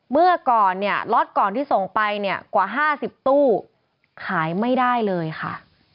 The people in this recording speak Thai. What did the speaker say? เมื่อก่อนเนี่ยล็อตก่อนที่ส่งไปเนี่ยกว่า๕๐ตู้ขายไม่ได้เลยค่ะ